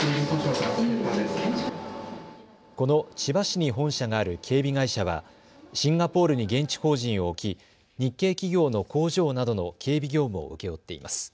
この千葉市に本社がある警備会社はシンガポールに現地法人を置き、日系企業の工場などの警備業務を請け負っています。